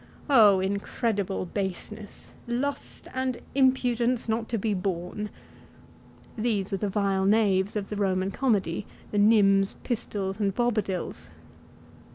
incredible baseness ; lust and impudence not to be borne !" These were the vile knaves of the Eoman comedy, the Nyms, Pistols, and Bobadils.